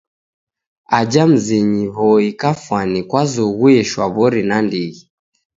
Aja mzinyi W'oi kafwani kwazoghuye shwaw'ori nandighi.